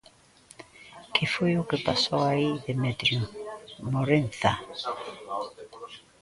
Que foi o que pasou aí, Demetrio Morenza?